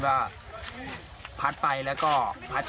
ผลกลับไปอีกครับ